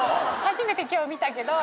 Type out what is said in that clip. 初めて見たけど。